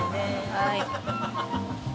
はい。